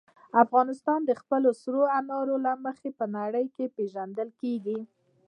افغانستان د خپلو سرو انارو له مخې په نړۍ کې پېژندل کېږي.